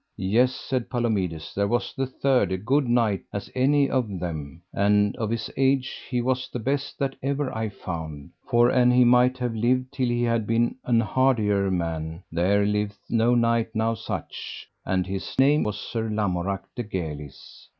Yes, said Palomides, there was the third, a good knight as any of them, and of his age he was the best that ever I found; for an he might have lived till he had been an hardier man there liveth no knight now such, and his name was Sir Lamorak de Galis.